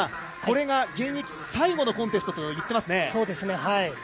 これが現役最後のコンテストと言っていますね。